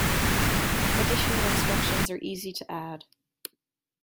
Additional instructions are easy to add.